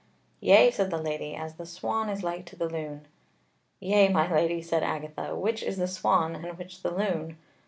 "Yea," said the Lady, "as the swan is like to the loon." "Yea, my Lady," said Agatha, "which is the swan and which the loon?